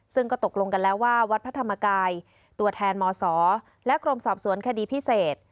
ซึ่งก็ตกลงกันแล้วว่าวัดพระธรรมกายตัวแทนมศและกรมสอบสวนคดีพิเศษ